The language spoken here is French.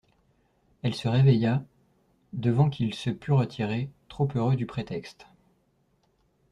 Elle se réveilla, devant qu'il se pût retirer, trop heureux du prétexte.